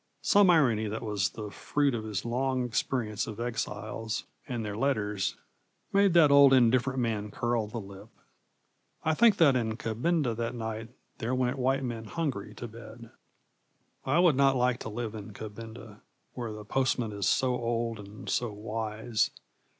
Some irony that was the fruit of his long experience of exiles and their letters made that old indifferent man curl the lip. I think that in Kabinda that night there went white men hungry to bed. I would not like to live in Kabinda, where the postman is so old and so wise.